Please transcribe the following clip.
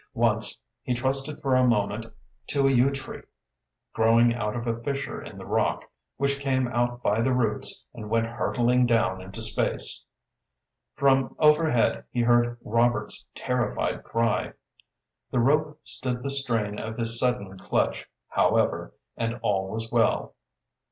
Once he trusted for a moment to a yew tree, growing out of a fissure in the rock, which came out by the roots and went hurtling down into space. From overhead he heard Robert's terrified cry. The rope stood the strain of his sudden clutch, however, and all was well.